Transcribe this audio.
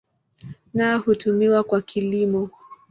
Nao hutumiwa kwa kilimo.